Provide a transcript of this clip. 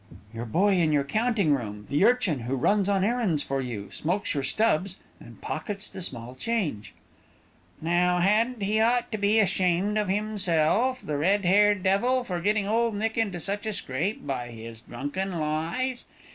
"Your boy in your counting room the urchin who runs on errands for you, smokes your stubs, and pockets the small change." "Now, hadn't he ought to be ashamed of himself, the red haired devil, for getting Old Nick into such a scrape by his drunken lies?